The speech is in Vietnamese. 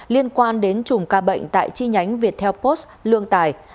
liên quan đến chùm ca bệnh tại chi nhánh viettel post lương tài